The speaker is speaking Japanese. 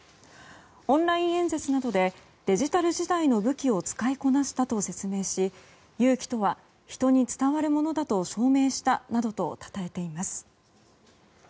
オンライン演説などでデジタル時代の武器を使いこなしたと説明し勇気とは人に伝わるものだと証明したなどとたたえています。